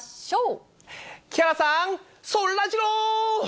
木原さん、そらジロー！